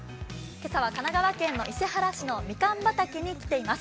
今朝は神奈川県の伊勢原市のみかん畑に来ています。